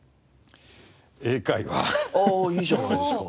おおいいじゃないですか。